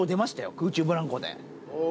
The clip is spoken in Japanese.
空中ブランコで。